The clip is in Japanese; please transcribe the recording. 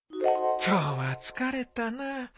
「今日は疲れたな。